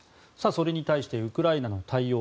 それに対してウクライナの対応